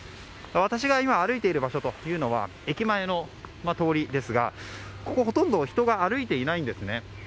私が今歩いている場所は駅前の通りですがここ、ほとんど人が歩いていないんです。